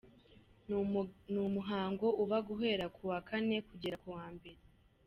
"Ni umuhango uba guhera ku wa kane kugera ku wa mbere.